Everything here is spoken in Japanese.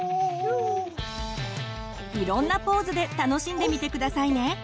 いろんなポーズで楽しんでみて下さいね。